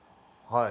はい。